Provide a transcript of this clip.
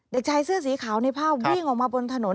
เด็กชายเสื้อสีขาวในภาพวิ่งออกมาบนถนน